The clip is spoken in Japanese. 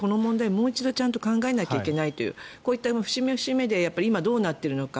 もう一度ちゃんと考えなきゃいけないというこういった節目節目で今どうなっているのか。